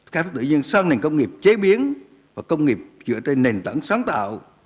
khai thất tự nhiên sang ngành công nghiệp chế biến và công nghiệp dựa trên nền tảng sáng tạo